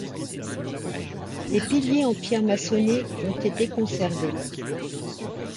Les piliers en pierres maçonnées ont été conservés.